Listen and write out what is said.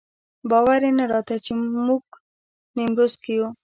باور یې نه راته چې موږ نیمروز کې یو.